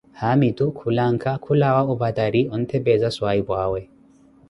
haamitu khulanka khulawa opatari ontthepeeza swaahipu awe.